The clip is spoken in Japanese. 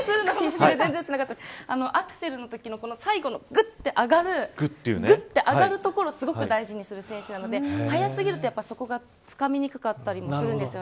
アクセルのときの最後のグッて上がるところをすごく大事にする選手なので早過ぎると、そこがつかみにくかったりもします。